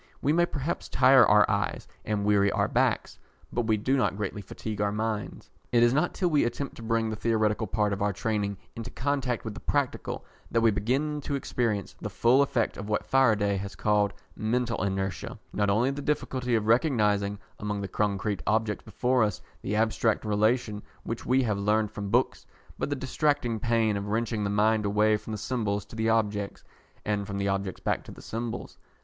We may perhaps tire our eyes and weary our backs, but we do not greatly fatigue our minds. It is not till we attempt to bring the theoretical part of our training into contact with the practical that we begin to experience the full effect of what Faraday has called "mental inertia" not only the difficulty of recognising, among the concrete objects before us, the abstract relation which we have learned from books, but the distracting pain of wrenching the mind away from the symbols to the objects, and from the objects back to the symbols.